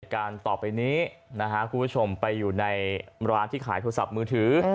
การต่อไปนี้นะฮะคุณผู้ชมไปอยู่ในร้านที่ขายโทรศัพท์มือถือ